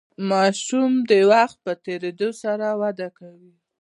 ماشوم د وخت په تیریدو سره وده کوي.